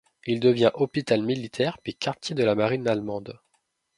Il devient hôpital militaire, puis quartier de la marine allemande.